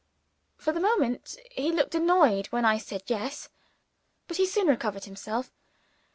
For the moment, he looked annoyed when I said, Yes. But he soon recovered himself.